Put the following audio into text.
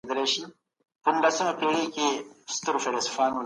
دلته د بشري حقوقو څخه سخته ساتنه کېږي.